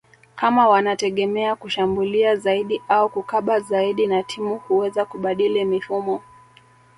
kama wanategemea kushambulia zaidi au kukaba zaidi na timu huweza kubadili mifumo